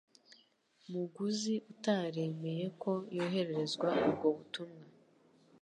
muguzi utaremeye ko yohererezwa ubwo butumwa